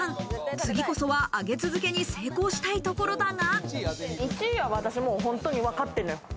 次こそは上げ続けに成功したいところだが。